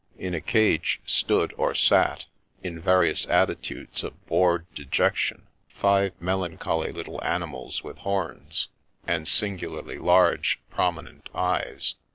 In a cage stood or sat, in various at titudes of bored dejection, five melancholy little ani mals with horns, and singularly large, prominent eyes.